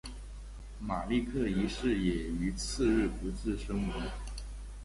马立克一世也于次日不治身亡。